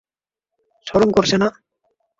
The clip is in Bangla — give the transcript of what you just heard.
শরম করছে না?